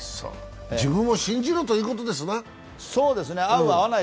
自分を信じろということですな。